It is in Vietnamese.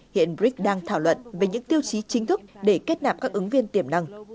hiện brics đang thảo luận về những tiêu chí chính thức để kết nạp các ứng viên tiềm năng